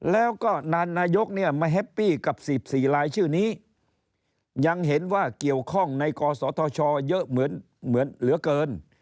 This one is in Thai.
แล้วก็นานนายกเนี่ยมาแฮปปี้กับ๑๔ลายชื่อนี้ยังเห็นว่าเกี่ยวข้องในกศธชเยอะเหมือนเหลือเกิน